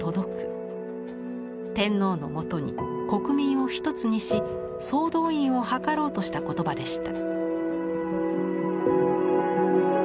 天皇のもとに国民を一つにし総動員を図ろうとした言葉でした。